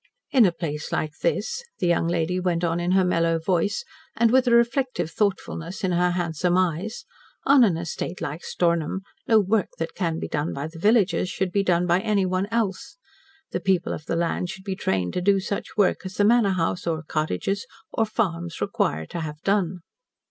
"In a place like this," the young lady went on in her mellow voice, and with a reflective thoughtfulness in her handsome eyes, "on an estate like Stornham, no work that can be done by the villagers should be done by anyone else. The people of the land should be trained to do such work as the manor house, or cottages, or farms require to have done."